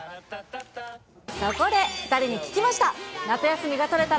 そこで、２人に聞きました。